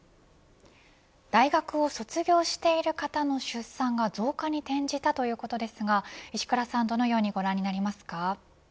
大学を卒業している方の出産が増加に転じたということですが石倉さんはどのようにご覧になりますか。